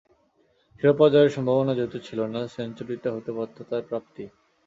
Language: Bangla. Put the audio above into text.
শিরোপা জয়ের সম্ভাবনা যেহেতু ছিল না, সেঞ্চুরিটা হতে পারত তাঁর প্রাপ্তি।